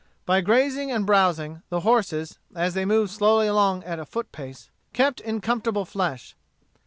By grazing and browsing, the horses, as they moved slowly along at a foot pace, kept in comfortable flesh.